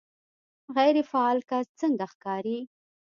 غیر فعال کس څنګه ښکاري